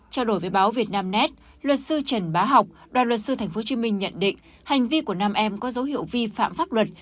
trao đổi với báo việt nam nét luật sư trần bá học đoàn luật sư tp hcm nhận định hành vi của nam em có dấu hiệu vi phạm pháp luật